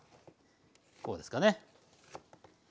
こうですかね。